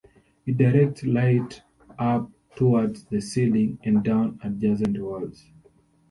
It directs light up towards the ceiling and down adjacent walls.